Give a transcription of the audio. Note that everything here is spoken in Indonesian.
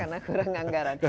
karena kurang anggaran